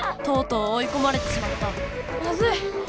とうとうおいこまれてしまったまずい。